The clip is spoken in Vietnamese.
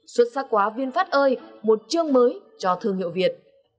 xuất sắc quá vinfast ơi một chương mới cho thương hiệu việt